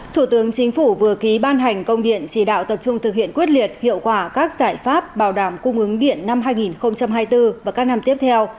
thủ tướng chính phủ vừa ký ban hành công điện chỉ đạo tập trung thực hiện quyết liệt hiệu quả các giải pháp bảo đảm cung ứng điện năm hai nghìn hai mươi bốn và các năm tiếp theo